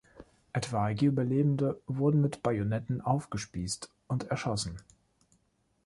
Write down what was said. Etwaige Überlebende wurden mit Bajonetten aufgespießt und erschossen.